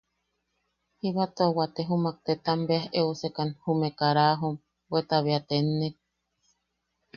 Jiba tua waate jumak tetam beas eusekan jume karajom, bweta bea tennek.